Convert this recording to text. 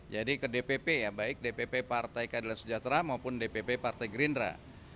jadi ke dpp ya baik dpp partai keadilan sejahtera maupun dpp partai gerindra